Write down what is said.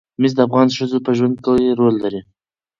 مس د افغان ښځو په ژوند کې رول لري.